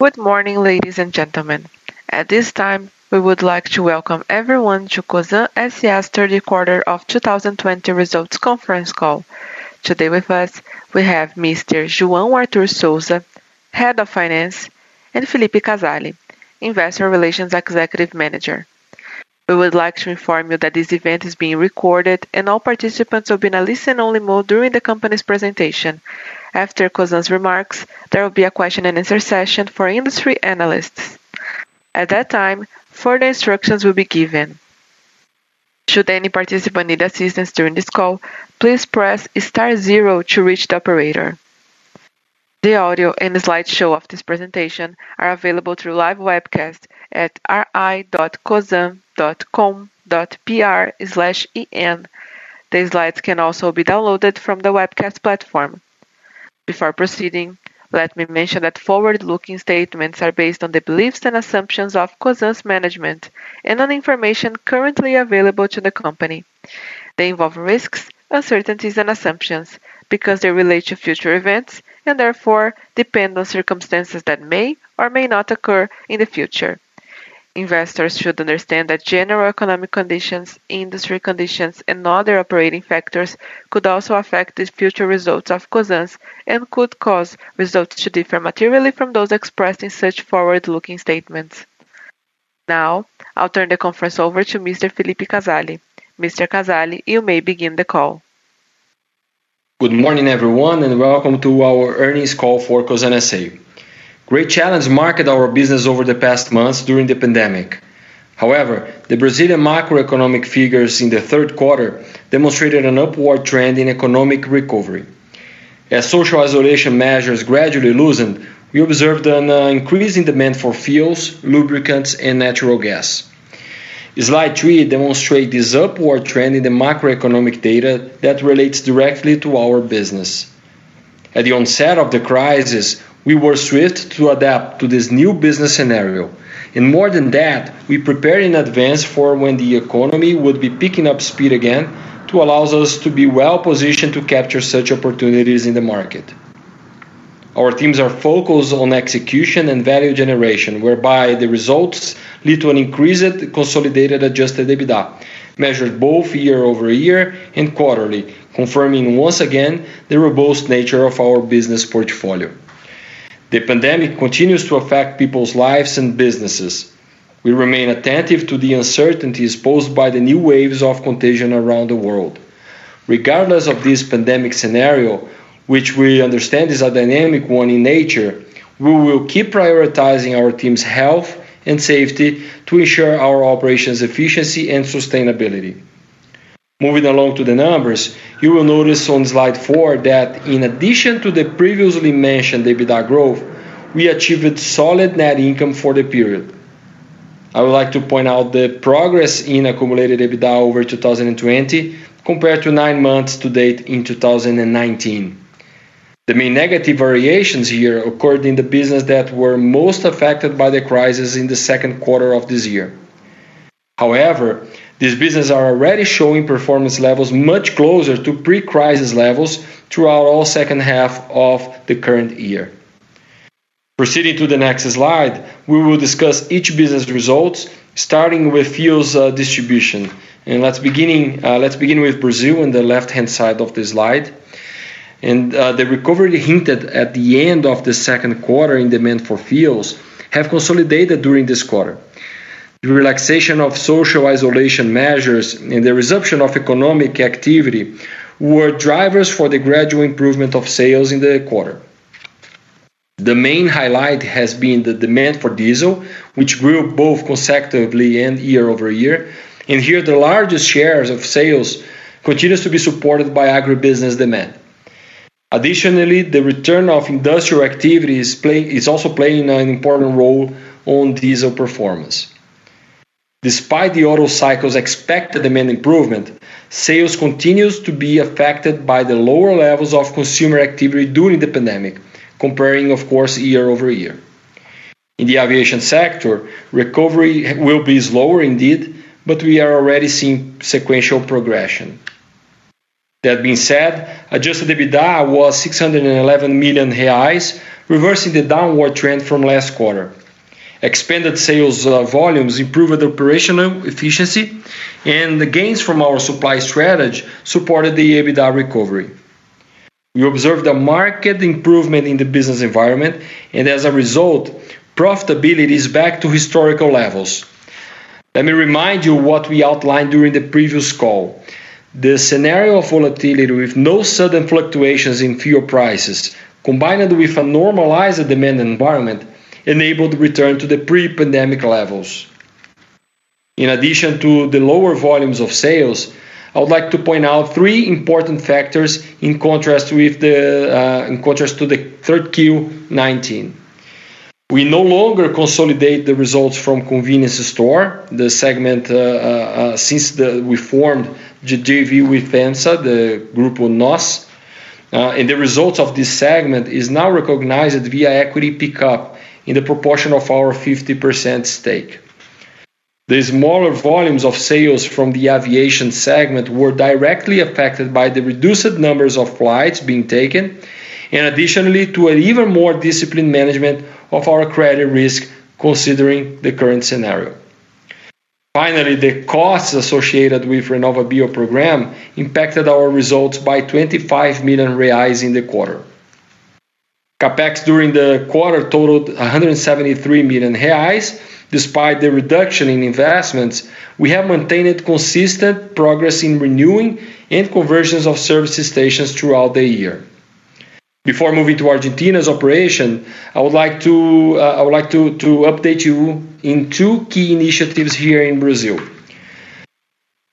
Good morning, ladies and gentlemen. At this time, we would like to welcome everyone to Cosan S.A.'s third quarter of 2020 results conference call. Today with us, we have Mr. João Arthur de Souza, Head of Finance, and Phillipe Casale, Investor Relations Executive Manager. We would like to inform you that this event is being recorded, and all participants will be in a listen-only mode during the company's presentation. After Cosan's remarks, there will be a question and answer session for industry analysts. At that time, further instructions will be given. Should any participant need assistance during this call, please press Star Zero to reach the operator. The audio and the slideshow of this presentation are available through live webcast at ri.cosan.com.br/en. The slides can also be downloaded from the webcast platform. Before proceeding, let me mention that forward-looking statements are based on the beliefs and assumptions of Cosan's management and on information currently available to the company. They involve risks, uncertainties, and assumptions because they relate to future events and therefore depend on circumstances that may or may not occur in the future. Investors should understand that general economic conditions, industry conditions, and other operating factors could also affect the future results of Cosan's and could cause results to differ materially from those expressed in such forward-looking statements. I'll turn the conference over to Mr. Phillipe Casale. Mr. Casale, you may begin the call. Good morning, everyone, and welcome to our earnings call for Cosan S.A. Great challenge marked our business over the past months during the pandemic. However, the Brazilian macroeconomic figures in the third quarter demonstrated an upward trend in economic recovery. As social isolation measures gradually loosened, we observed an increase in demand for fuels, lubricants, and natural gas. Slide three demonstrate this upward trend in the macroeconomic data that relates directly to our business. At the onset of the crisis, we were swift to adapt to this new business scenario. More than that, we prepared in advance for when the economy would be picking up speed again to allow us to be well-positioned to capture such opportunities in the market. Our teams are focused on execution and value generation, whereby the results lead to an increased consolidated adjusted EBITDA, measured both year-over-year and quarterly, confirming once again the robust nature of our business portfolio. The pandemic continues to affect people's lives and businesses. We remain attentive to the uncertainties posed by the new waves of contagion around the world. Regardless of this pandemic scenario, which we understand is a dynamic one in nature, we will keep prioritizing our team's health and safety to ensure our operations' efficiency and sustainability. Moving along to the numbers, you will notice on slide four that in addition to the previously mentioned EBITDA growth, we achieved solid net income for the period. I would like to point out the progress in accumulated EBITDA over 2020 compared to nine months to date in 2019. The main negative variations here occurred in the business that were most affected by the crisis in the second quarter of this year. However, these businesses are already showing performance levels much closer to pre-crisis levels throughout all second half of the current year. Proceeding to the next slide, we will discuss each business results, starting with fuels distribution. Let's begin with Brazil on the left-hand side of the slide. The recovery hinted at the end of the second quarter in demand for fuels have consolidated during this quarter. The relaxation of social isolation measures and the resumption of economic activity were drivers for the gradual improvement of sales in the quarter. The main highlight has been the demand for diesel, which grew both consecutively and year-over-year, and here the largest shares of sales continues to be supported by agribusiness demand. Additionally, the return of industrial activity is also playing an important role on diesel performance. Despite the otto cycle's expected demand improvement, sales continues to be affected by the lower levels of consumer activity during the pandemic, comparing, of course, year-over-year. In the aviation sector, recovery will be slower indeed, but we are already seeing sequential progression. That being said, adjusted EBITDA was 611 million reais, reversing the downward trend from last quarter. Expanded sales volumes improved operational efficiency, and the gains from our supply strategy supported the EBITDA recovery. We observed a marked improvement in the business environment, and as a result, profitability is back to historical levels. Let me remind you what we outlined during the previous call. The scenario of volatility with no sudden fluctuations in fuel prices, combined with a normalized demand environment, enabled the return to the pre-pandemic levels. In addition to the lower volumes of sales, I would like to point out three important factors in contrast to the third Q 2019. We no longer consolidate the results from convenience store, the segment, since we formed JV with FEMSA, the Grupo Nós. The results of this segment is now recognized via equity pickup in the proportion of our 50% stake. The smaller volumes of sales from the aviation segment were directly affected by the reduced numbers of flights being taken, and additionally to an even more disciplined management of our credit risk considering the current scenario. Finally, the costs associated with RenovaBio program impacted our results by 25 million reais in the quarter. CapEx during the quarter totaled 173 million reais. Despite the reduction in investments, we have maintained consistent progress in renewing and conversions of services stations throughout the year. Before moving to Argentina's operation, I would like to update you in two key initiatives here in Brazil.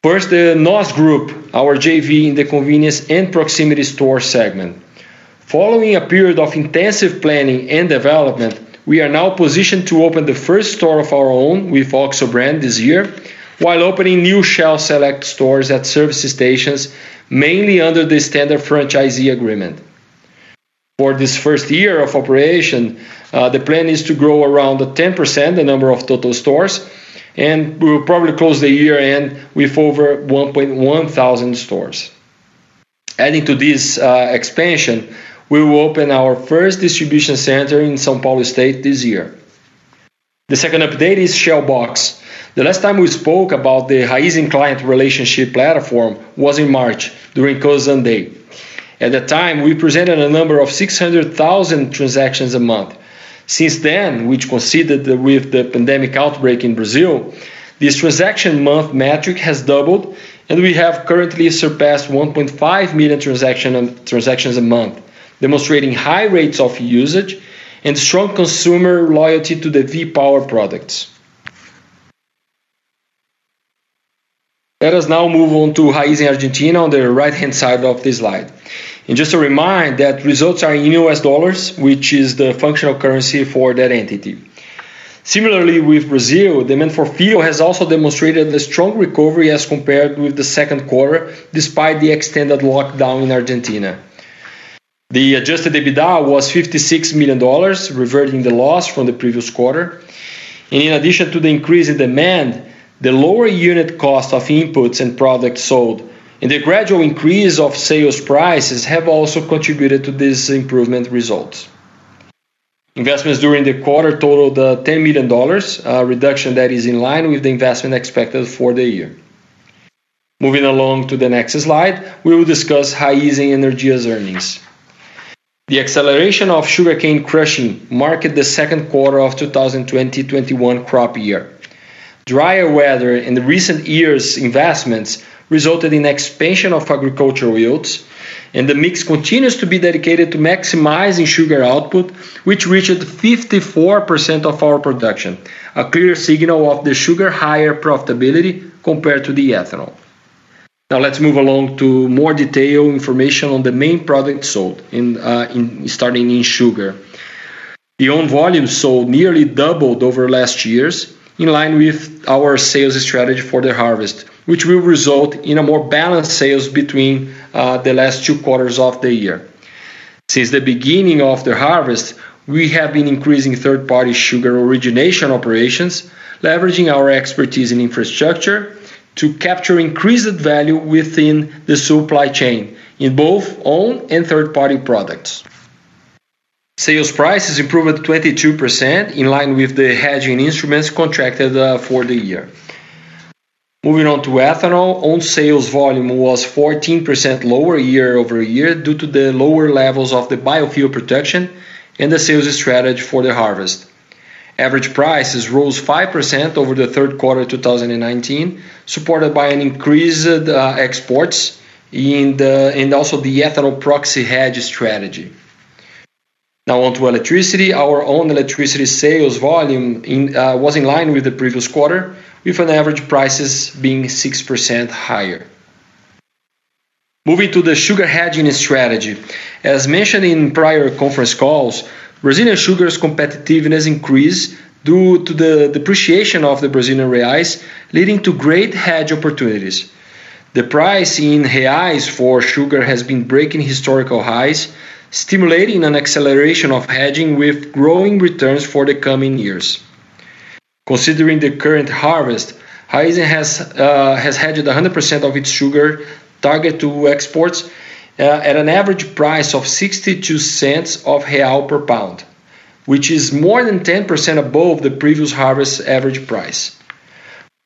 First, the Grupo Nós, our JV in the convenience and proximity store segment. Following a period of intensive planning and development, we are now positioned to open the first store of our own with OXXO brand this year, while opening new Shell Select stores at services stations, mainly under the standard franchisee agreement. For this first year of operation, the plan is to grow around 10% the number of total stores, and we will probably close the year with over 1,100 stores. Adding to this expansion, we will open our first distribution center in São Paulo State this year. The second update is Shell Box. The last time we spoke about the Raízen client relationship platform was in March during Cosan Day. At the time, we presented a number of 600,000 transactions a month. Since then, which coincided with the pandemic outbreak in Brazil, this transaction month metric has doubled, and we have currently surpassed 1.5 million transactions a month, demonstrating high rates of usage and strong consumer loyalty to the V-Power products. Let us now move on to Raízen Argentina on the right-hand side of this slide. Just a reminder that results are in US dollars, which is the functional currency for that entity. Similarly with Brazil, demand for fuel has also demonstrated a strong recovery as compared with the second quarter, despite the extended lockdown in Argentina. The adjusted EBITDA was $56 million, reverting the loss from the previous quarter. In addition to the increase in demand, the lower unit cost of inputs and products sold, and the gradual increase of sales prices have also contributed to this improvement result. Investments during the quarter totaled $10 million, a reduction that is in line with the investment expected for the year. Moving along to the next slide, we will discuss Raízen Energia's earnings. The acceleration of sugarcane crushing marked the second quarter of 2020/21 crop year. Drier weather and the recent years' investments resulted in expansion of agricultural yields, and the mix continues to be dedicated to maximizing sugar output, which reached 54% of our production, a clear signal of the sugar higher profitability compared to the ethanol. Now let's move along to more detailed information on the main products sold, starting in sugar. The own volume sold nearly doubled over last year's, in line with our sales strategy for the harvest, which will result in a more balanced sales between the last two quarters of the year. Since the beginning of the harvest, we have been increasing third-party sugar origination operations, leveraging our expertise in infrastructure to capture increased value within the supply chain in both own and third-party products. Sales prices improved 22%, in line with the hedging instruments contracted for the year. Moving on to ethanol. Own sales volume was 14% lower year-over-year due to the lower levels of the biofuel production and the sales strategy for the harvest. Average prices rose 5% over the third quarter 2019, supported by an increased exports and also the ethanol proxy hedge strategy. Now on to electricity. Our own electricity sales volume was in line with the previous quarter, with an average prices being 6% higher. Moving to the sugar hedging strategy. As mentioned in prior conference calls, Brazilian sugar's competitiveness increased due to the depreciation of the Brazilian reais, leading to great hedge opportunities. The price in reais for sugar has been breaking historical highs, stimulating an acceleration of hedging with growing returns for the coming years. Considering the current harvest, Raízen has hedged 100% of its sugar target to exports at an average price of 0.62 per pound, which is more than 10% above the previous harvest's average price.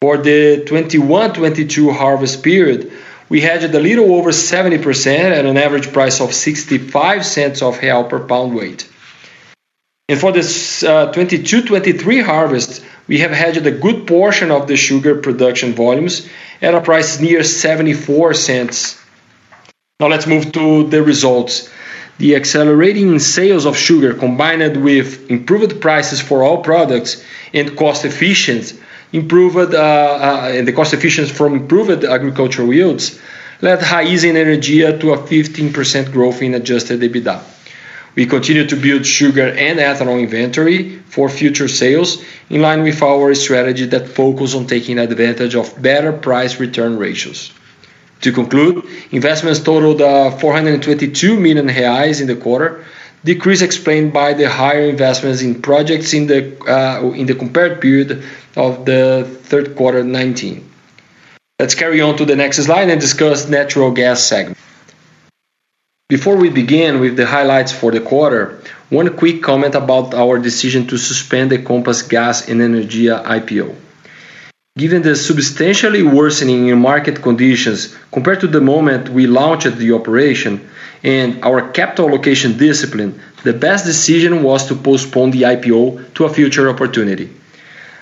For the 2021/22 harvest period, we hedged a little over 70% at an average price of 0.65 per pound weight. For the 2022/23 harvest, we have hedged a good portion of the sugar production volumes at a price near 0.74. Let's move to the results. The accelerating sales of sugar, combined with improved prices for all products and the cost efficiency from improved agricultural yields, led Raízen Energia to a 15% growth in adjusted EBITDA. We continue to build sugar and ethanol inventory for future sales, in line with our strategy that focus on taking advantage of better price return ratios. To conclude, investments totaled 422 million reais in the quarter, decrease explained by the higher investments in projects in the compared period of the third quarter 2019. Let's carry on to the next slide and discuss natural gas segment. Before we begin with the highlights for the quarter, one quick comment about our decision to suspend the Compass Gás e Energia IPO. Given the substantially worsening market conditions compared to the moment we launched the operation and our capital allocation discipline, the best decision was to postpone the IPO to a future opportunity.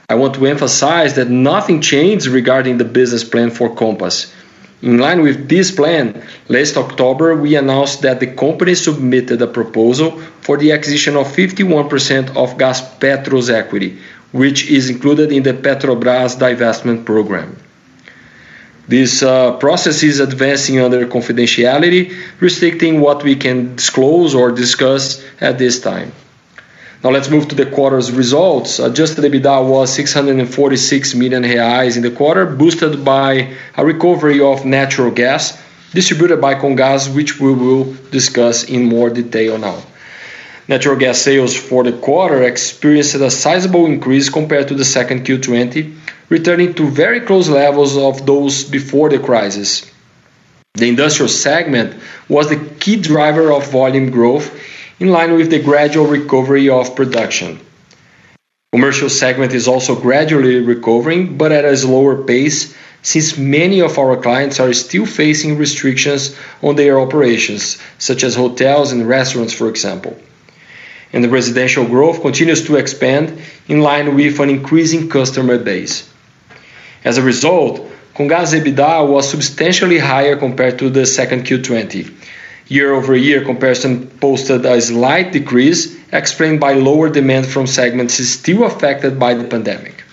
I want to emphasize that nothing changed regarding the business plan for Compass. In line with this plan, last October, we announced that the company submitted a proposal for the acquisition of 51% of Gaspetro's equity, which is included in the Petrobras divestment program. This process is advancing under confidentiality, restricting what we can disclose or discuss at this time. Let's move to the quarter's results. Adjusted EBITDA was 646 million reais in the quarter, boosted by a recovery of natural gas distributed by Comgás, which we will discuss in more detail now. Natural gas sales for the quarter experienced a sizable increase compared to the second Q 2020, returning to very close levels of those before the crisis. The industrial segment was the key driver of volume growth, in line with the gradual recovery of production. Commercial segment is also gradually recovering, but at a slower pace since many of our clients are still facing restrictions on their operations, such as hotels and restaurants, for example. The residential growth continues to expand in line with an increasing customer base. As a result, Comgás' EBITDA was substantially higher compared to the second Q 2020. Year-over-year comparison posted a slight decrease, explained by lower demand from segments still affected by the pandemic.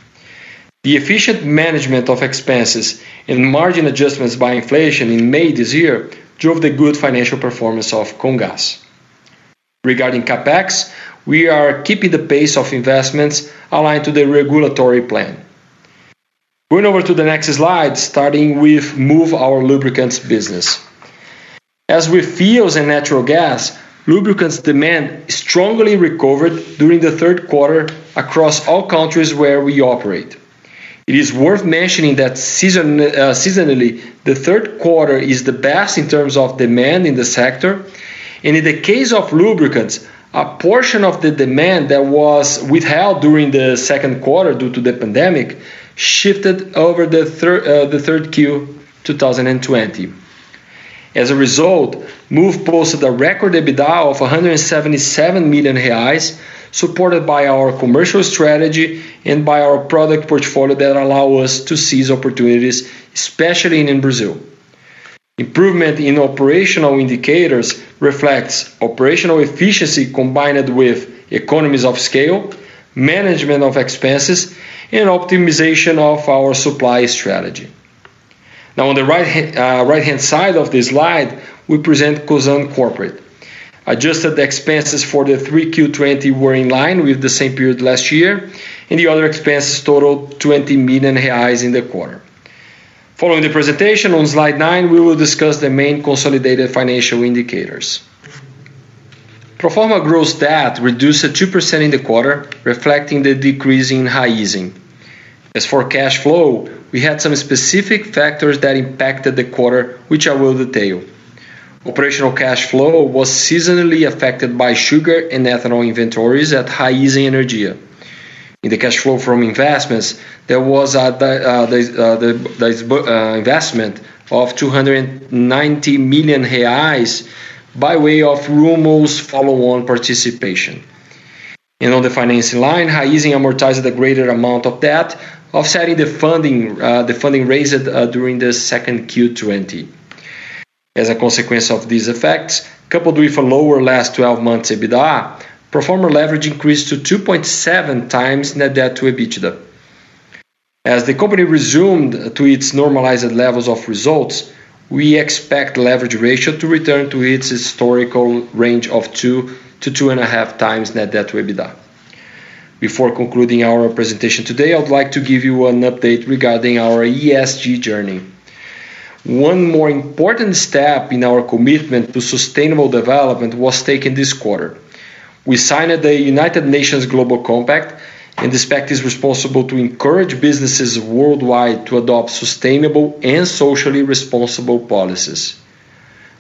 The efficient management of expenses and margin adjustments by inflation in May this year drove the good financial performance of Comgás. Regarding CapEx, we are keeping the pace of investments aligned to the regulatory plan. Going over to the next slide, starting with Moove, our lubricants business. As with fuels and natural gas, lubricants demand strongly recovered during the third quarter across all countries where we operate. It is worth mentioning that seasonally, the third quarter is the best in terms of demand in the sector, and in the case of lubricants, a portion of the demand that was withheld during the second quarter due to the pandemic shifted over the third Q 2020. As a result, Moove posted a record EBITDA of 177 million reais, supported by our commercial strategy and by our product portfolio that allow us to seize opportunities, especially in Brazil. Improvement in operational indicators reflects operational efficiency combined with economies of scale, management of expenses, and optimization of our supply strategy. On the right-hand side of this slide, we present Cosan Corporate. Adjusted expenses for the 3Q20 were in line with the same period last year, the other expenses totaled 20 million reais in the quarter. Following the presentation on Slide nine, we will discuss the main consolidated financial indicators. Pro forma gross debt reduced 2% in the quarter, reflecting the decrease in Raízen. As for cash flow, we had some specific factors that impacted the quarter, which I will detail. Operational cash flow was seasonally affected by sugar and ethanol inventories at Raízen Energia. In the cash flow from investments, there was the investment of 290 million reais by way of Rumo's follow-on participation. On the financing line, Raízen amortized a greater amount of debt, offsetting the funding raised during the second Q20. As a consequence of these effects, coupled with a lower last 12 months EBITDA, pro forma leverage increased to 2.7x net debt to EBITDA. As the company resumed to its normalized levels of results, we expect leverage ratio to return to its historical range of 2x-2.5x net debt to EBITDA. Before concluding our presentation today, I would like to give you an update regarding our ESG journey. One more important step in our commitment to sustainable development was taken this quarter. We signed the United Nations Global Compact, this pact is responsible to encourage businesses worldwide to adopt sustainable and socially responsible policies.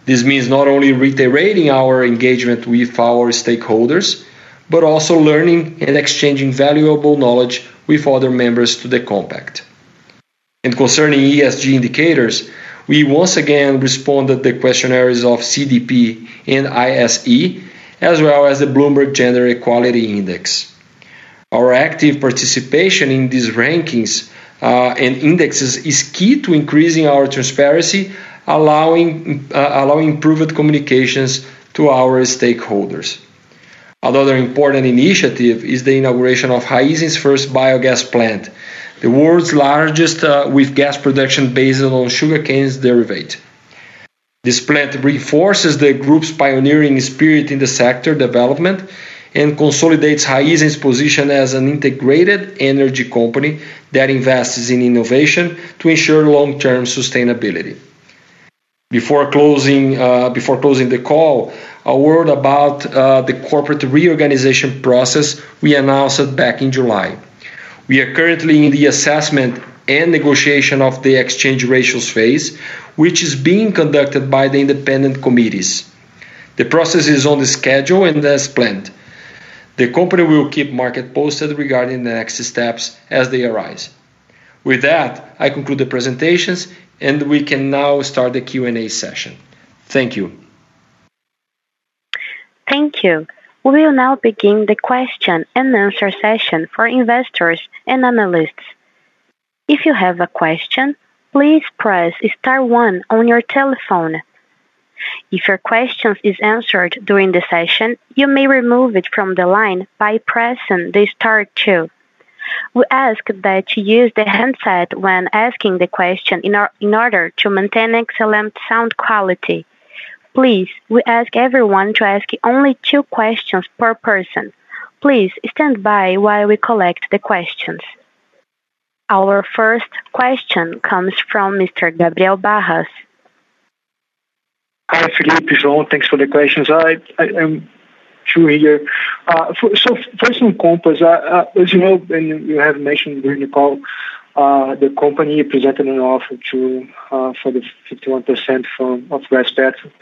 This means not only reiterating our engagement with our stakeholders, but also learning and exchanging valuable knowledge with other members to the compact. Concerning ESG indicators, we once again responded to the questionnaires of CDP and ISE, as well as the Bloomberg Gender-Equality Index. Our active participation in these rankings and indexes is key to increasing our transparency, allowing improved communications to our stakeholders. Another important initiative is the inauguration of Raízen's first biogas plant, the world's largest with gas production based on sugarcane's derivative This plant reinforces the group's pioneering spirit in the sector development and consolidates Raízen's position as an integrated energy company that invests in innovation to ensure long-term sustainability. Before closing the call, a word about the corporate reorganization process we announced back in July. We are currently in the assessment and negotiation of the exchange ratios phase, which is being conducted by the independent committees. The process is on the schedule and as planned. The company will keep the market posted regarding the next steps as they arise. With that, I conclude the presentations, and we can now start the Q&A session. Thank you. Thank you. We will now begin the question and answer session for investors and analysts. If you have a question, please press star one on your telephone. If your question is answered during the session, you may remove it from the line by pressing star two. We ask that you use the handset when asking the question in order to maintain excellent sound quality. Please, we ask everyone to ask only two questions per person. Please stand by while we collect the questions. Our first question comes from Mr. Gabriel Barra. Hi, Phillipe. João. Thanks for the questions. I am through here. First, on Compass. As you know, and you have mentioned during the call, the company presented an offer for the 51% of Gaspetro.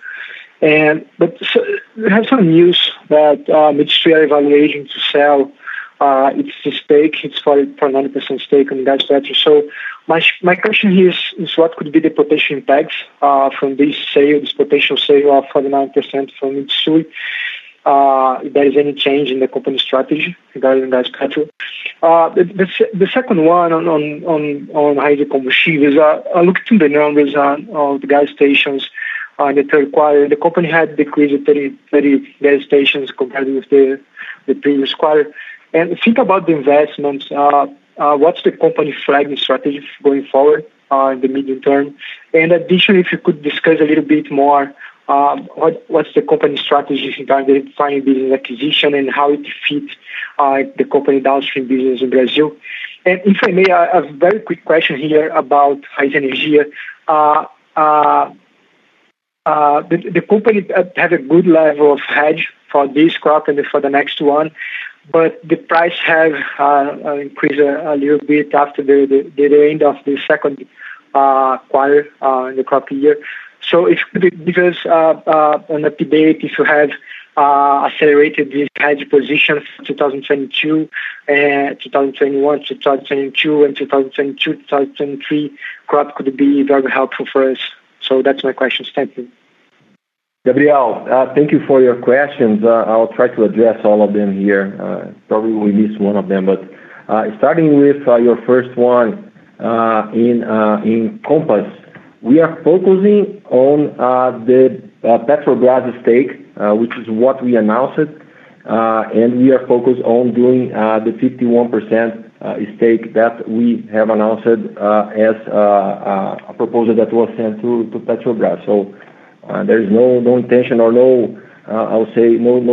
We have some news that Mitsui are evaluating to sell its stake, its 49% stake in Gaspetro. My question here is what could be the potential impacts from this potential sale of 49% from Mitsui? If there is any change in the company strategy regarding Gaspetro. The second one on Raízen Combustíveis. I looked at the numbers of the gas stations in the third quarter. The company had decreased 30 gas stations compared with the previous quarter. Think about the investments. What's the company flagging strategy going forward in the medium term? Additionally, if you could discuss a little bit more, what's the company strategy regarding FEMSA acquisition and how it fits the company downstream business in Brazil? If I may, a very quick question here about Raízen Energia. The company had a good level of hedge for this crop and for the next one, the price has increased a little bit after the end of the second quarter in the crop year. If could it be, because on the debate, if you have accelerated these hedge positions 2022, 2021/2022, and 2022/2023 crop could be very helpful for us. That's my questions. Thank you. Gabriel, thank you for your questions. I'll try to address all of them here. Probably will miss one of them, starting with your first one. In Compass, we are focusing on the Petrobras stake, which is what we announced, and we are focused on doing the 51% stake that we have announced as a proposal that was sent to Petrobras. There's no intention or no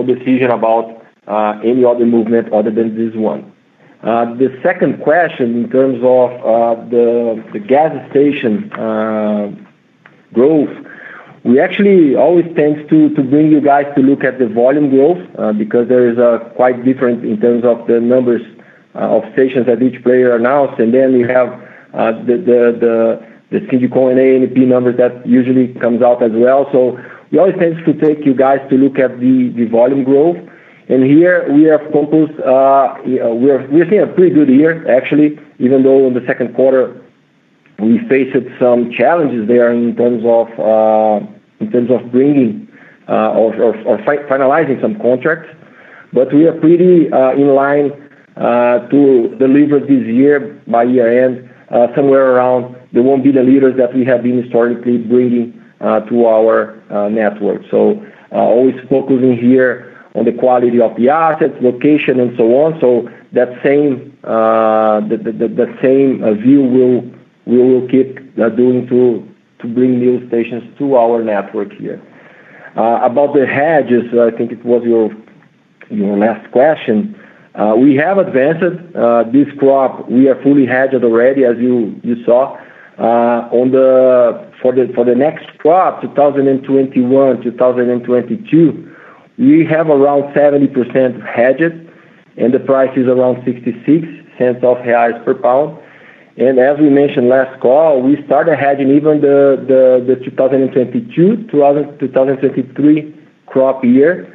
decision about any other movement other than this one. The second question in terms of the gas station growth. We actually always tend to bring you guys to look at the volume growth because there is a quite different in terms of the numbers of stations that each player announced. You have the Sindicom A and B numbers that usually comes out as well. We always tend to take you guys to look at the volume growth. Here we're seeing a pretty good year, actually, even though in the second quarter, we faced some challenges there in terms of finalizing some contracts. We are pretty in line to deliver this year by year-end, somewhere around. There won't be the leaders that we have been historically bringing to our network. Always focusing here on the quality of the assets, location, and so on. That same view we will keep doing to bring new stations to our network here. About the hedges, I think it was your last question. We have advanced this crop. We are fully hedged already, as you saw. For the next crop, 2021/2022, we have around 70% hedged, and the price is around 0.66 per pound. As we mentioned last call, we started hedging even the 2022-2023 crop year.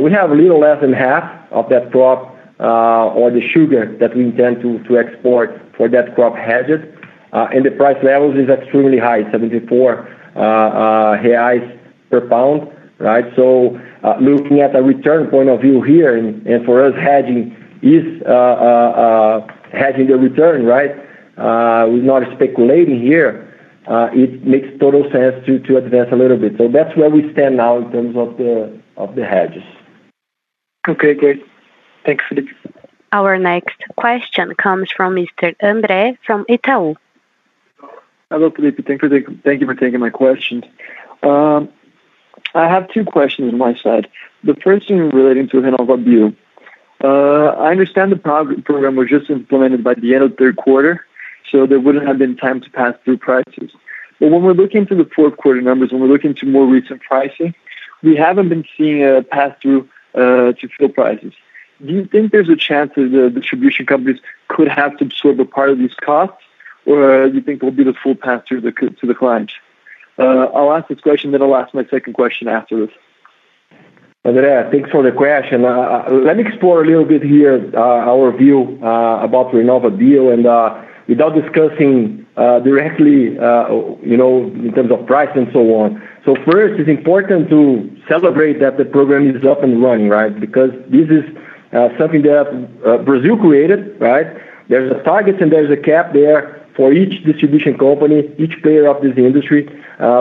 We have a little less than half of that crop or the sugar that we intend to export for that crop hedged, and the price levels is extremely high, 74 reais per pound. Right? Looking at a return point of view here, and for us, hedging the return, right? We're not speculating here. It makes total sense to advance a little bit. That's where we stand now in terms of the hedges. Okay, great. Thanks, Phillipe. Our next question comes from Mr. Andre from Itaú. Hello, Phillipe. Thank you for taking my questions. I have two questions on my side. The first one relating to RenovaBio. I understand the program was just implemented by the end of the third quarter, so there wouldn't have been time to pass through prices. When we're looking to the fourth quarter numbers and we're looking to more recent pricing, we haven't been seeing a pass-through to fuel prices. Do you think there's a chance that the distribution companies could have to absorb a part of these costs, or you think it will be the full pass-through to the client? I'll ask this question, then I'll ask my second question after this. Andre, thanks for the question. Let me explore a little bit here our view about RenovaBio, without discussing directly in terms of price and so on. First, it's important to celebrate that the program is up and running, right? Because this is something that Brazil created, right? There's a target and there's a cap there for each distribution company, each player of this industry.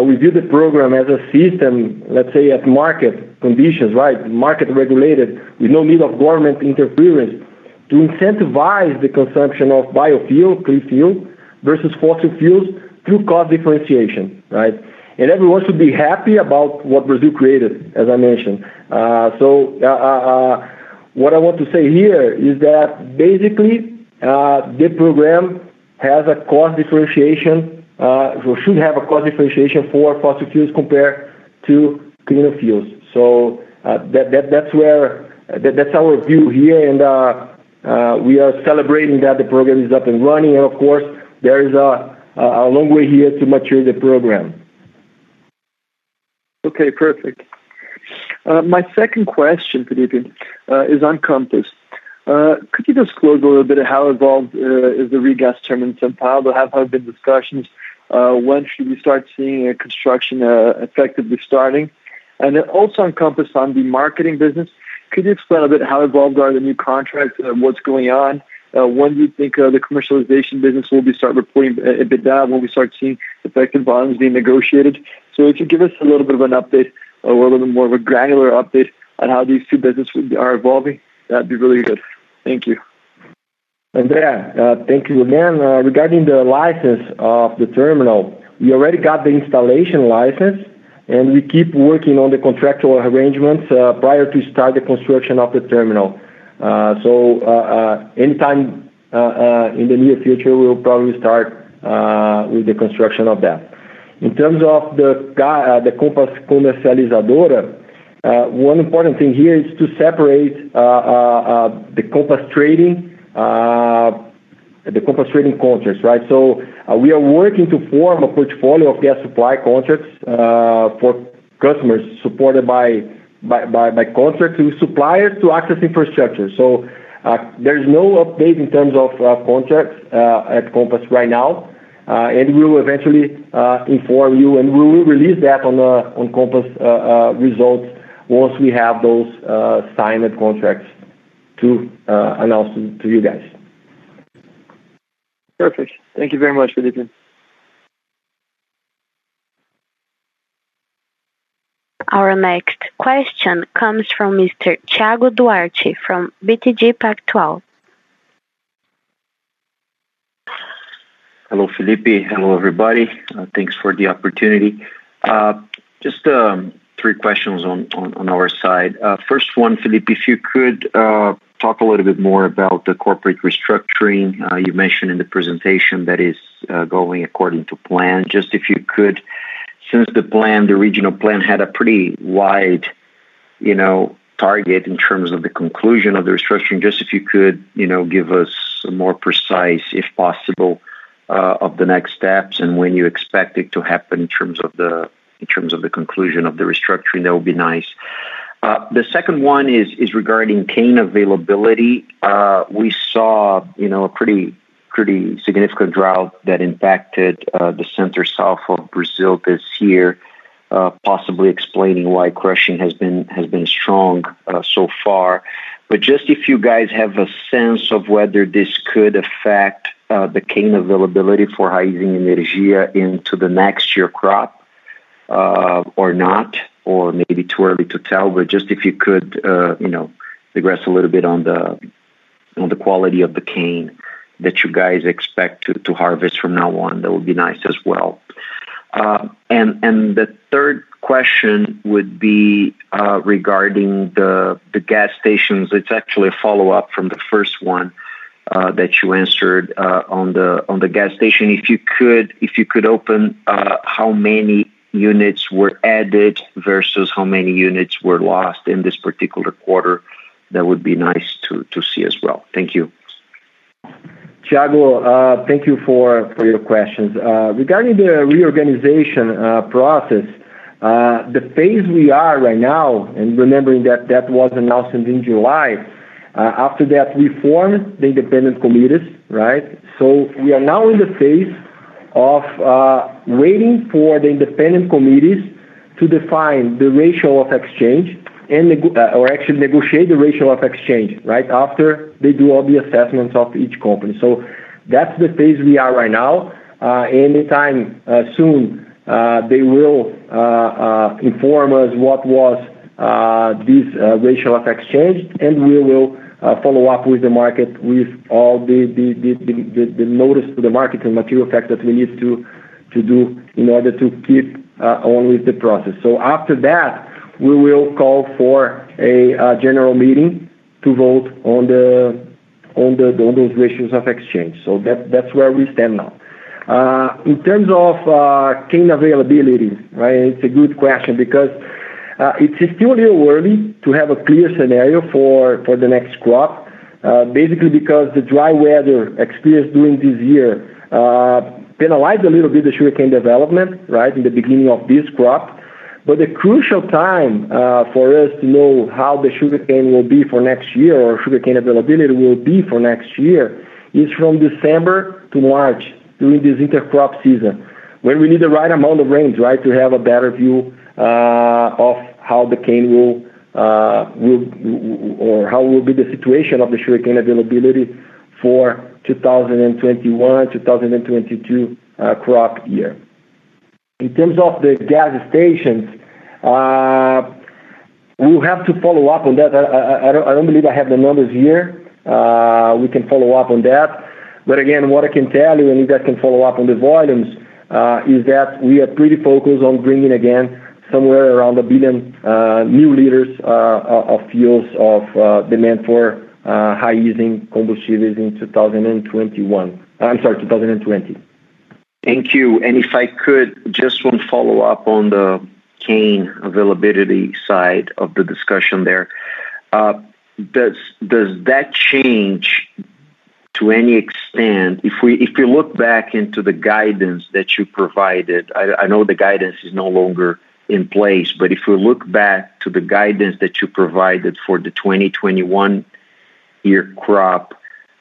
We view the program as a system, let's say, at market conditions, right? Market-regulated with no need of government interference to incentivize the consumption of biofuel, clean fuel, versus fossil fuels through cost differentiation, right? Everyone should be happy about what Brazil created, as I mentioned. What I want to say here is that basically, the program should have a cost differentiation for fossil fuels compared to cleaner fuels. That's our view here, and we are celebrating that the program is up and running. Of course, there is a long way here to mature the program. Okay, perfect. My second question, Phillipe, is on Compass. Could you disclose a little bit how involved is the regas terminal in São Paulo? There have been discussions, when should we start seeing a construction effectively starting? Also on Compass on the marketing business, could you explain a bit how involved are the new contracts? What's going on? When do you think the commercialization business will be start reporting EBITDA, and when we start seeing effective volumes being negotiated? If you could give us a little bit of an update or a little bit more of a granular update on how these two businesses are evolving, that'd be really good. Thank you. Andre, thank you again. Regarding the license of the terminal, we already got the installation license, we keep working on the contractual arrangements prior to start the construction of the terminal. Anytime in the near future, we'll probably start with the construction of that. In terms of the Compass Comercializadora, one important thing here is to separate the Compass trading contracts, right? We are working to form a portfolio of gas supply contracts for customers supported by contract with suppliers to access infrastructure. There's no update in terms of contracts at Compass right now. We will eventually inform you, and we will release that on Compass results once we have those signed contracts to announce to you guys. Perfect. Thank you very much, Phillipe. Our next question comes from Mr. Thiago Duarte from BTG Pactual. Hello, Phillipe. Hello, everybody. Thanks for the opportunity. Just three questions on our side. First one, Phillipe, if you could talk a little bit more about the corporate restructuring. You mentioned in the presentation that is going according to plan. Since the regional plan had a pretty wide target in terms of the conclusion of the restructuring, just if you could give us a more precise, if possible, of the next steps and when you expect it to happen in terms of the conclusion of the restructuring, that would be nice. The second one is regarding cane availability. We saw a pretty significant drought that impacted the center south of Brazil this year, possibly explaining why crushing has been strong so far. Just if you guys have a sense of whether this could affect the cane availability for Raízen Energia into the next year crop or not, or maybe too early to tell, but just if you could digress a little bit on the quality of the cane that you guys expect to harvest from now on, that would be nice as well. The third question would be regarding the gas stations. It's actually a follow-up from the first one that you answered on the gas station. If you could open how many units were added versus how many units were lost in this particular quarter, that would be nice to see as well? Thank you. Thiago, thank you for your questions. Regarding the reorganization process, the phase we are right now, and remembering that that was announced in July. After that, we formed the independent committees, right? We are now in the phase of waiting for the independent committees to define the ratio of exchange, or actually negotiate the ratio of exchange, after they do all the assessments of each company. That's the phase we are right now. Anytime soon, they will inform us what was this ratio of exchange, and we will follow up with the market with all the notice to the market and material fact that we need to do in order to keep on with the process. After that, we will call for a general meeting to vote on those ratios of exchange. That's where we stand now. In terms of cane availability, it's a good question because it's still a little early to have a clear scenario for the next crop. Basically because the dry weather experienced during this year penalized a little bit the sugarcane development in the beginning of this crop. The crucial time for us to know how the sugarcane will be for next year, or sugarcane availability will be for next year, is from December to March, during this inter-crop season, where we need the right amount of rain to have a better view of how will be the situation of the sugarcane availability for 2021-2022 crop year. In terms of the gas stations, we will have to follow up on that. I don't believe I have the numbers here. We can follow up on that. Again, what I can tell you, and you guys can follow up on the volumes, is that we are pretty focused on bringing, again, somewhere around 1 billion new liters of fuels of demand for Raízen Combustíveis in 2020. Thank you. If I could, just one follow-up on the cane availability side of the discussion there. Does that change to any extent, if you look back into the guidance that you provided, I know the guidance is no longer in place, but if you look back to the guidance that you provided for the 2021 year crop,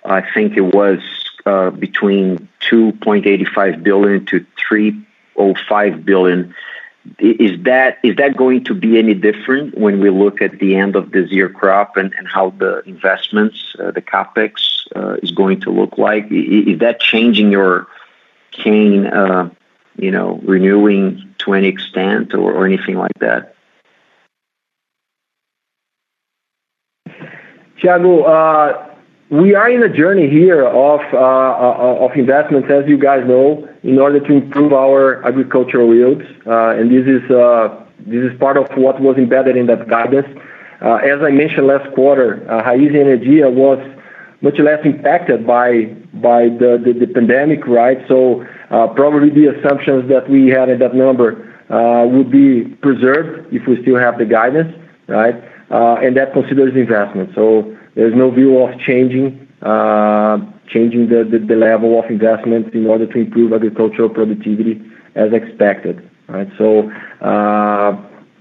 I think it was between 2.85 billion-3.05 billion. Is that going to be any different when we look at the end of this year crop and how the investments, the CapEx is going to look like? Is that changing your cane renewing to any extent or anything like that? Thiago, we are in a journey here of investments, as you guys know, in order to improve our agricultural yields. This is part of what was embedded in that guidance. As I mentioned last quarter, Raízen Energia was much less impacted by the pandemic. Probably the assumptions that we had in that number will be preserved if we still have the guidance. That considers investment. There's no view of changing the level of investments in order to improve agricultural productivity as expected.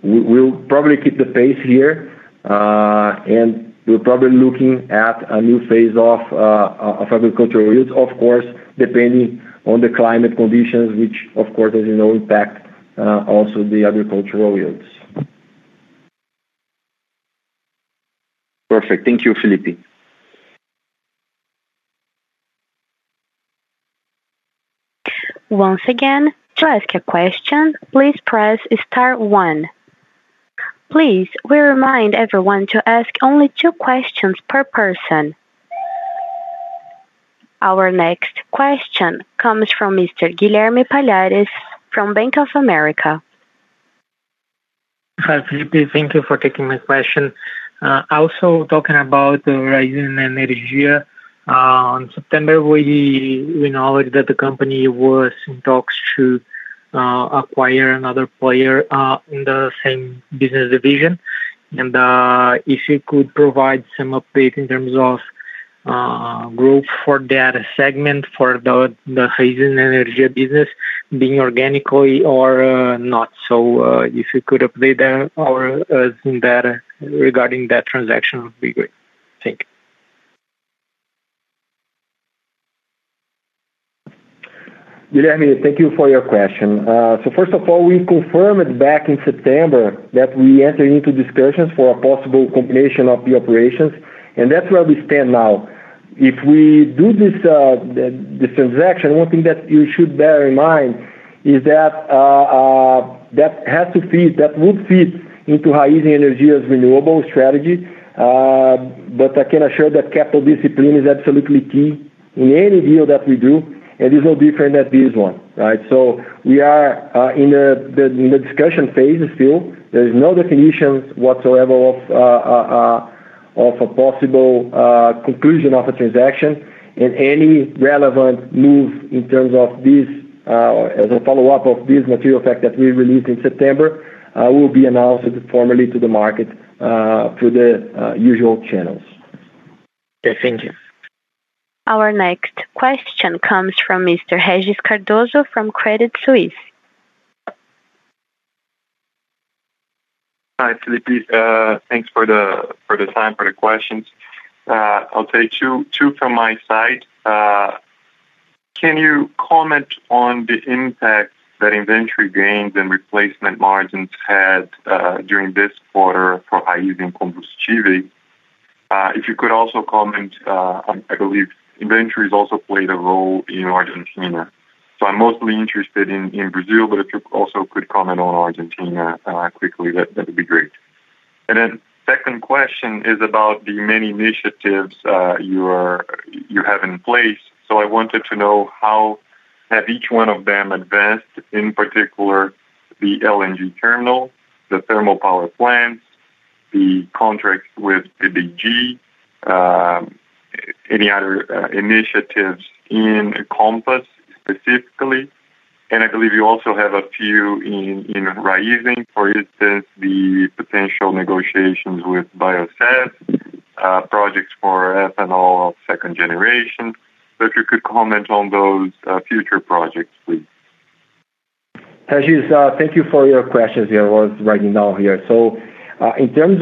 We'll probably keep the pace here. We're probably looking at a new phase of agricultural yields, of course, depending on the climate conditions, which, of course, as you know, impact also the agricultural yields. Perfect. Thank you, Phillipe. Once again, to ask a question, please press star one. Please, we remind everyone to ask only 2 questions per person. Our next question comes from Mr. Guilherme Palhares from Bank of America. Hi, Phillipe. Thank you for taking my question. Also talking about Raízen Energia. On September, we know that the company was in talks to acquire another player in the same business division. If you could provide some update in terms of group for that segment, for the Raízen Energia business being organically or not. If you could update us in that regarding that transaction, would be great. Thank you. Guilherme, thank you for your question. First of all, we confirmed back in September that we enter into discussions for a possible combination of the operations, and that's where we stand now. If we do this transaction, one thing that you should bear in mind is that would fit into Raízen Energia's renewable strategy. I can assure that capital discipline is absolutely key in any deal that we do, and is no different at this one. We are in the discussion phase still. There is no definitions whatsoever of a possible conclusion of a transaction, and any relevant move in terms of this as a follow-up of this material fact that we released in September, will be announced formally to the market through the usual channels. Okay. Thank you. Our next question comes from Mr. Régis Cardoso from Credit Suisse. Hi, Felipe. Thanks for the time for the questions. I'll take two from my side. Can you comment on the impact that inventory gains and replacement margins had during this quarter for Raízen Combustíveis? If you could also comment, I believe inventory has also played a role in Argentina. I'm mostly interested in Brazil, but if you also could comment on Argentina quickly, that'd be great. Second question is about the many initiatives you have in place. I wanted to know how have each one of them advanced, in particular the LNG terminal, the thermal power plants, the contract with PBGás, any other initiatives in Compass specifically? I believe you also have a few in Raízen, for instance, the potential negotiations with Biosev, projects for ethanol second generation. If you could comment on those future projects, please. Thank you for your questions. I was writing down here. In terms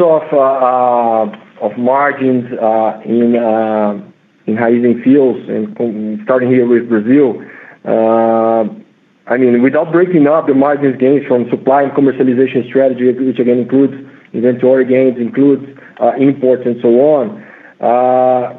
of margins in Raízen fuels and starting here with Brazil. Without breaking up the margins gains from supply and commercialization strategy, which again, includes inventory gains, includes imports and so on.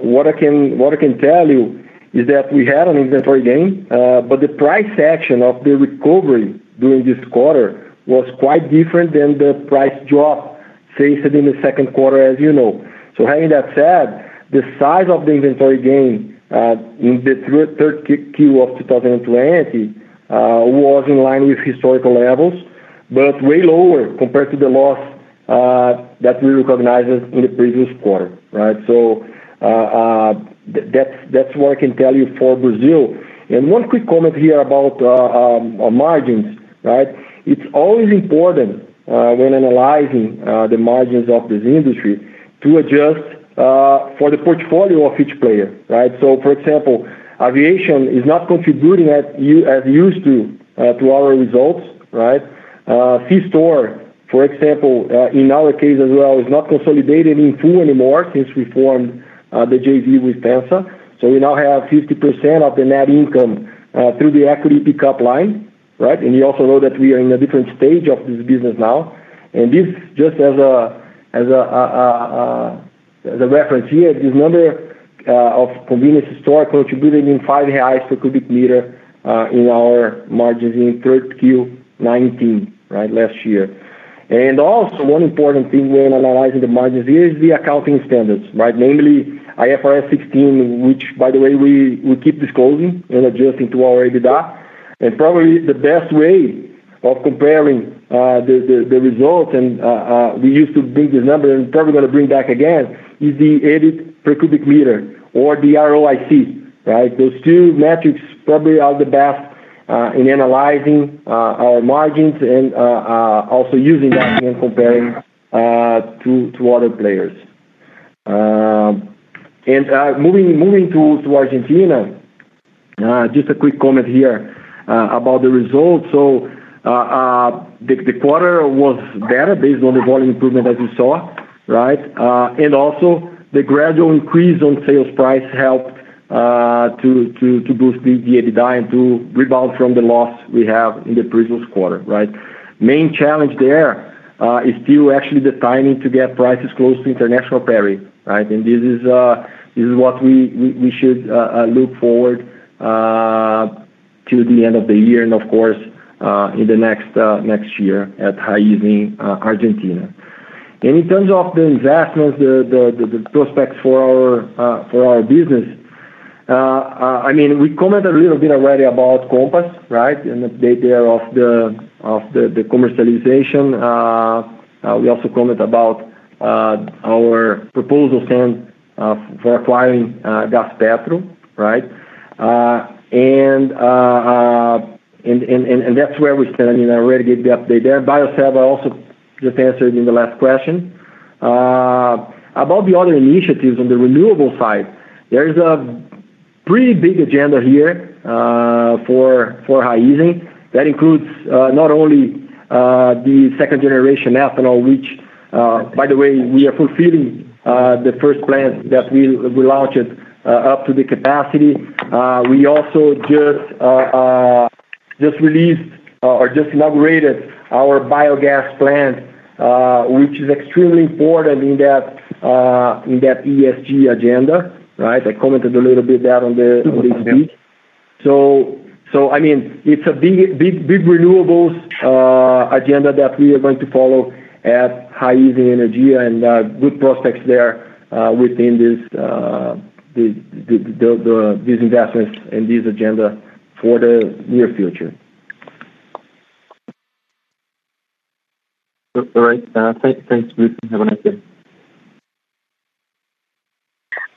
What I can tell you is that we had an inventory gain but the price action of the recovery during this quarter was quite different than the price drop faced in the second quarter, as you know. Having that said, the size of the inventory gain, in the third Q of 2020, was in line with historical levels, but way lower compared to the loss that we recognized in the previous quarter. That's what I can tell you for Brazil. One quick comment here about margins. It's always important when analyzing the margins of this industry to adjust for the portfolio of each player. For example, aviation is not contributing as used to our results. C-store, for example, in our case as well, is not consolidated in fuel anymore since we formed the JV with FEMSA. We now have 50% of the net income through the equity pickup line. You also know that we are in a different stage of this business now. This just as a reference here, this number of convenience store contributed in 5 reais per cubic meter, in our margins in Q3 2019, last year. Also one important thing when analyzing the margins is the accounting standards. Namely IFRS 16, which by the way, we keep disclosing and adjusting to our EBITDA. Probably the best way of comparing the results and we used to bring this number and probably going to bring back again, is the EBIT per cubic meter or the ROIC. Those two metrics probably are the best in analyzing our margins and also using that when comparing to other players. Moving to Argentina. Just a quick comment here about the results. The quarter was better based on the volume improvement as you saw. Also the gradual increase on sales price helped to boost the EBITDA and to rebound from the loss we have in the previous quarter. Main challenge there, is still actually the timing to get prices close to international parity. This is what we should look forward to the end of the year and of course, in the next year at Raízen Argentina. In terms of the investments, the prospects for our business. We commented a little bit already about Compass. An update there of the commercialization. We also comment about our proposal stand for acquiring Gaspetro. That's where we stand. I already gave the update there. Biosev, I also just answered in the last question. About the other initiatives on the renewable side, there is a pretty big agenda here for Raízen that includes not only the second-generation ethanol, which by the way, we are fulfilling the first plant that we launched up to the capacity. We also just released or just inaugurated our biogas plant, which is extremely important in that ESG agenda. I commented a little bit that on the week. It's a big renewables agenda that we are going to follow at Raízen Energia and good prospects there within these investments and this agenda for the near future. All right. Thanks, Felipe. Have a nice day.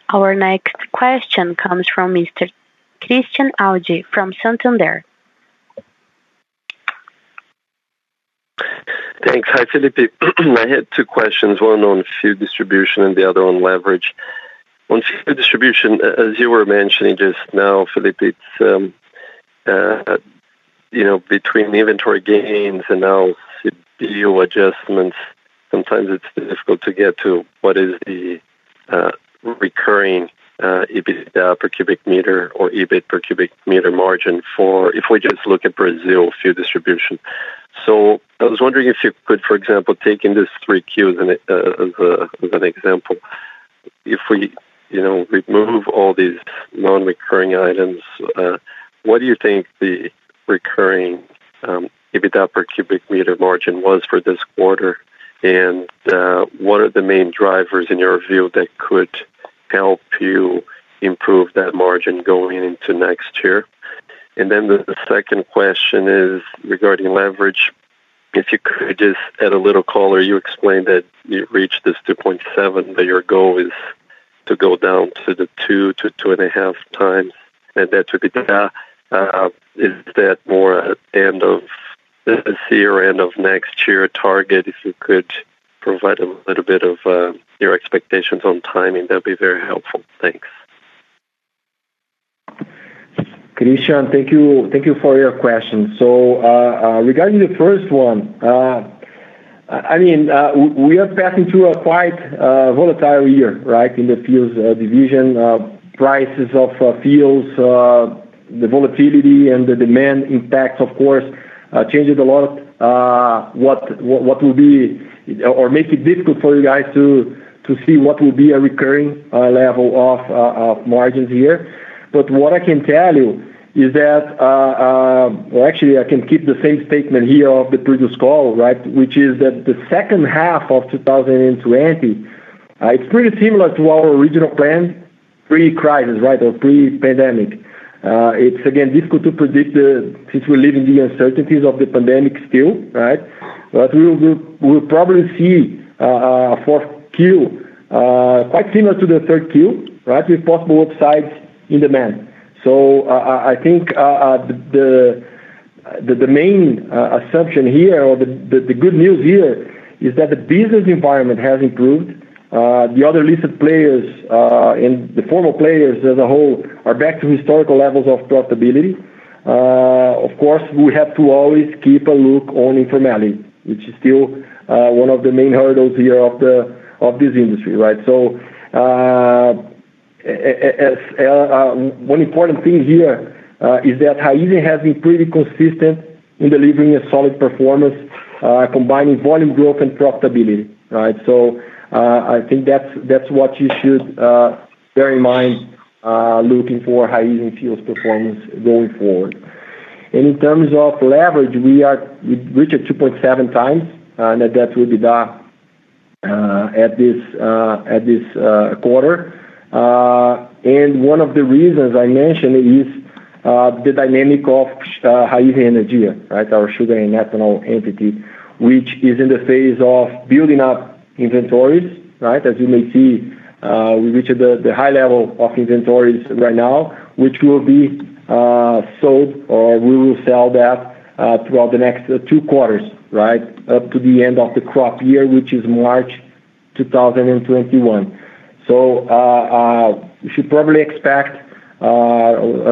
Our next question comes from Mr. Christian Audi from Santander. Thanks. Hi, Felipe. I had two questions, one on fuel distribution and the other on leverage. On fuel distribution, as you were mentioning just now, Felipe, between the inventory gains and now the bio adjustments, sometimes it's difficult to get to what is the recurring EBITDA per cubic meter or EBIT per cubic meter margin for if we just look at Brazil fuel distribution. I was wondering if you could, for example, take these three Qs as an example. If we remove all these non-recurring items, what do you think the recurring EBITDA per cubic meter margin was for this quarter? What are the main drivers in your view that could help you improve that margin going into next year? The second question is regarding leverage. If you could just add a little color, you explained that you reached this 2.7, but your goal is to go down to the 2 to 2.5 times net debt to EBITDA. Is that more an end of this year, end of next year target? If you could provide a little bit of your expectations on timing, that'd be very helpful. Thanks. Christian, thank you for your question. Regarding the first one, we are passing through a quite volatile year, right? In the fuels division, prices of fuels, the volatility and the demand impacts, of course, changed a lot. What will be or make it difficult for you guys to see what will be a recurring level of margins here. What I can tell you is that. Actually, I can keep the same statement here of the previous call, right? Which is that the second half of 2020, it's pretty similar to our original plan pre-crisis, right? Pre-pandemic. It's again, difficult to predict since we're living the uncertainties of the pandemic still, right? We'll probably see fourth Q, quite similar to the third Q, right? With possible upsides in demand. I think the main assumption here or the good news here is that the business environment has improved. The other listed players and the formal players as a whole are back to historical levels of profitability. Of course, we have to always keep a look on informality, which is still one of the main hurdles here of this industry, right? One important thing here is that Raízen has been pretty consistent in delivering a solid performance, combining volume growth and profitability, right? I think that's what you should bear in mind looking for Raízen fuels performance going forward. In terms of leverage, we reached 2.7 times net debt to EBITDA at this quarter. One of the reasons I mentioned is the dynamic of Raízen Energia, right? Our sugar and ethanol entity, which is in the phase of building up inventories, right? As you may see, we reached the high level of inventories right now, which will be sold or we will sell that throughout the next two quarters, right up to the end of the crop year, which is March 2021. You should probably expect, I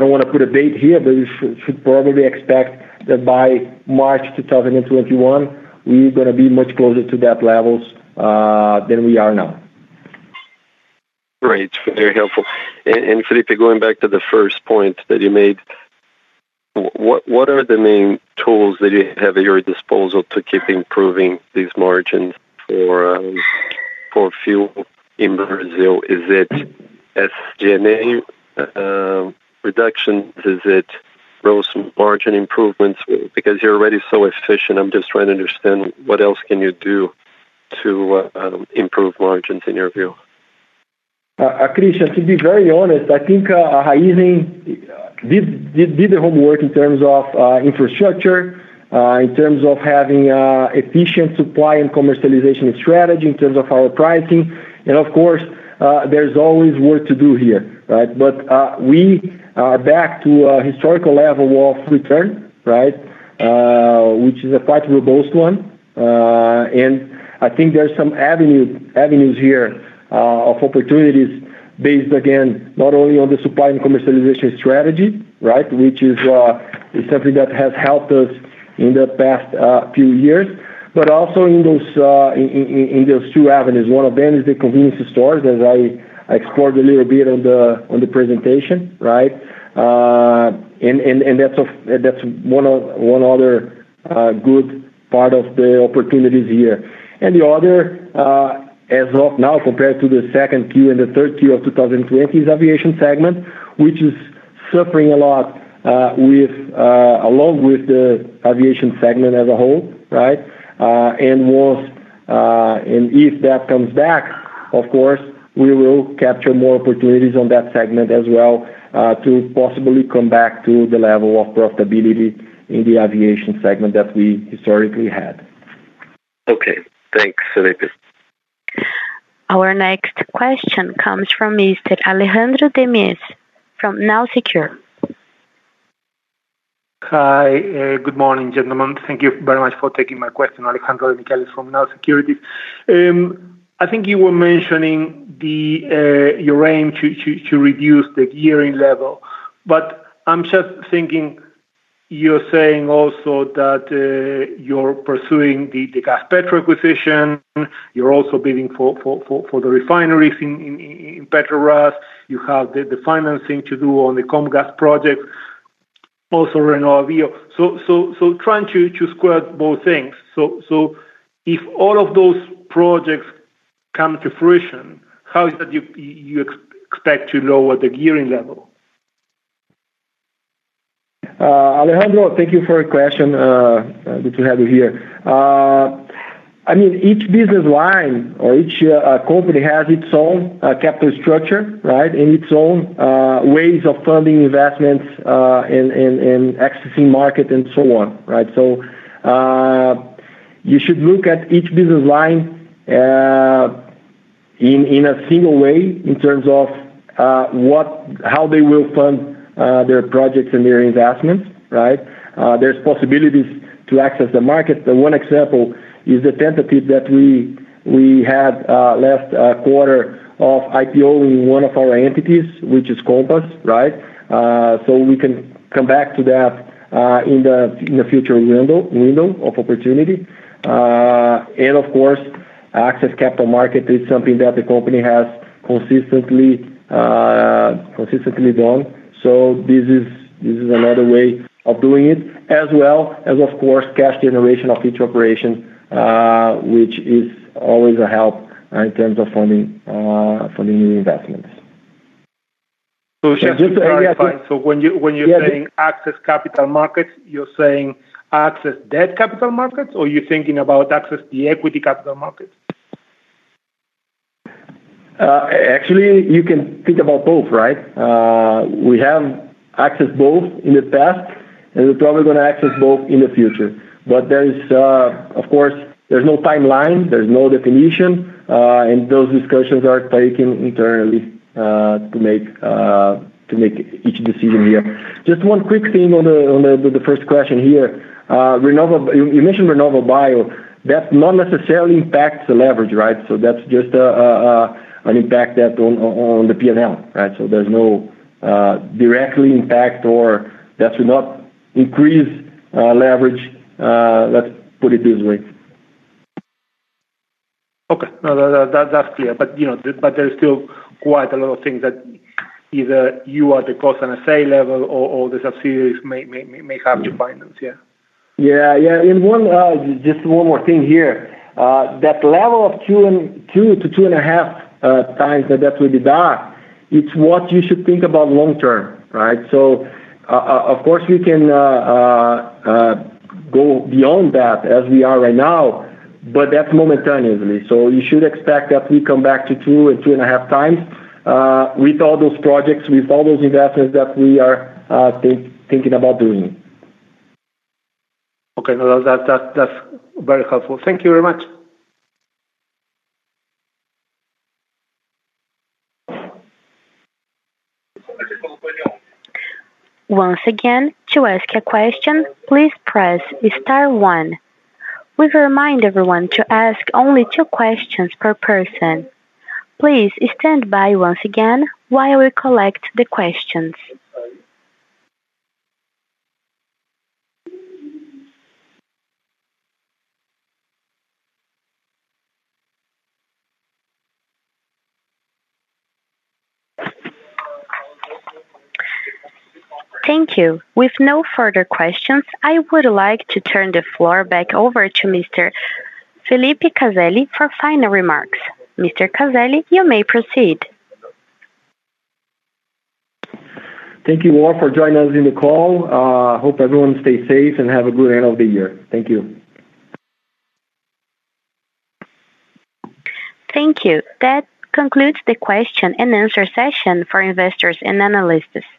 don't want to put a date here, you should probably expect that by March 2021, we're going to be much closer to that levels than we are now. Great. Very helpful. Phillipe, going back to the first point that you made, what are the main tools that you have at your disposal to keep improving these margins for fuel in Brazil? Is it SG&A reductions? Is it gross margin improvements? Because you're already so efficient. I'm just trying to understand what else can you do to improve margins in your view. Christian, to be very honest, I think Raízen did the homework in terms of infrastructure, in terms of having efficient supply and commercialization strategy, in terms of our pricing. Of course, there's always work to do here, right? We are back to a historical level of return, right? Which is a quite robust one. I think there are some avenues here of opportunities based, again, not only on the supply and commercialization strategy, right? Which is something that has helped us in the past few years, but also in those two avenues. One of them is the convenience stores, as I explored a little bit on the presentation, right? That's one other good part of the opportunities here. The other, as of now, compared to the second Q and the third Q of 2020, is aviation segment, which is suffering a lot along with the aviation segment as a whole, right? If that comes back, of course, we will capture more opportunities on that segment as well, to possibly come back to the level of profitability in the aviation segment that we historically had. Okay. Thanks, Phillipe. Our next question comes from Mr. Alejandro de Michellis from Nau Securities. Hi. Good morning, gentlemen. Thank you very much for taking my question. Alejandro de Michellis from Nau Securities. I think you were mentioning your aim to reduce the gearing level. I'm just thinking, you're saying also that you're pursuing the Gaspetro acquisition. You're also bidding for the refineries in Petrobras. You have the financing to do on the Comgás project, also RenovaBio. Trying to square both things. If all of those projects come to fruition, how is it you expect to lower the gearing level? Alejandro, thank you for your question. Good to have you here. Each business line or each company has its own capital structure, right? Its own ways of funding investments and accessing market and so on, right? You should look at each business line in a single way in terms of how they will fund their projects and their investments, right? There's possibilities to access the market. The one example is the tentative that we had last quarter of IPO in one of our entities, which is Compass, right? We can come back to that in the future window of opportunity. Of course, access capital market is something that the company has consistently done. This is another way of doing it, as well as, of course, cash generation of each operation, which is always a help in terms of funding new investments. Just to clarify- Yeah. When you're saying access capital markets, you're saying access debt capital markets, or you're thinking about access the equity capital markets? Actually, you can think about both, right? We have accessed both in the past, and we're probably going to access both in the future. There is, of course, there's no timeline, there's no definition, and those discussions are taken internally to make each decision here. Just one quick thing on the first question here. You mentioned RenovaBio, that not necessarily impacts the leverage, right? That's just an impact on the P&L, right? There's no direct impact or that will not increase leverage, let's put it this way. Okay. No, that's clear. There's still quite a lot of things that either you at the Cosan S.A. level or the subsidiaries may have to finance. Yeah. Yeah. Just one more thing here. That level of two to two and a half times, that will be back, it's what you should think about long term, right? Of course we can go beyond that as we are right now, but that's momentarily. You should expect that we come back to two and two and a half times, with all those projects, with all those investments that we are thinking about doing. Okay. No, that's very helpful. Thank you very much. Once again, to ask a question, please press star one. We remind everyone to ask only two questions per person. Please stand by once again while we collect the questions. Thank you. With no further questions, I would like to turn the floor back over to Mr. Phillipe Casale for final remarks. Mr. Casale, you may proceed. Thank you all for joining us on the call. Hope everyone stays safe and have a good end of the year. Thank you. Thank you. That concludes the question and answer session for investors and analysts.